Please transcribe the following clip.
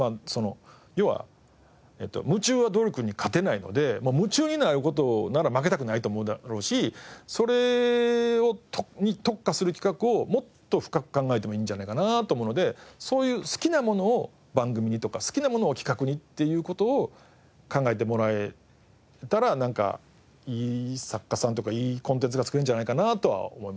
要は夢中は努力に勝てないので夢中になる事なら負けたくないと思うだろうしそれに特化する企画をもっと深く考えてもいいんじゃないかなと思うのでそういう「好きなものを番組に」とか「好きなものを企画に」っていう事を考えてもらえたらいい作家さんとかいいコンテンツが作れるんじゃないかなとは思いますね。